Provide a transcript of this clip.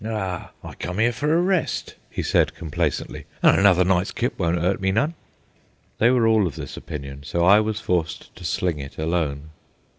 "Aw, I come 'ere for a rest," he said complacently. "An' another night's kip won't 'urt me none." They were all of this opinion, so I was forced to "sling it" alone.